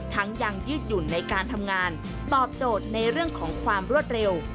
ยังยืดหยุ่นในการทำงานตอบโจทย์ในเรื่องของความรวดเร็ว